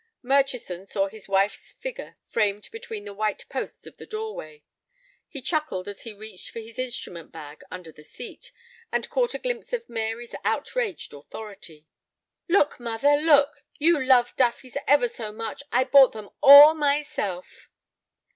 Murchison saw his wife's figure framed between the white posts of the doorway. He chuckled as he reached for his instrument bag under the seat, and caught a glimpse of Mary's outraged authority. "Look, mother, look, you love daffies ever so much. I bought them all myself."